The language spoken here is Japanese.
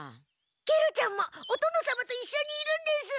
ケロちゃんもお殿様といっしょにいるんです。